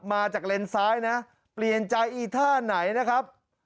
มาจากเลนซ้ายนะเปลี่ยนใจอีท่าไหนนะครับ